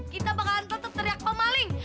kita bakalan tetap teriak pemaling